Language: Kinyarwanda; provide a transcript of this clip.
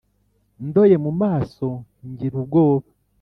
ndoye mu maso ngira ubwoba :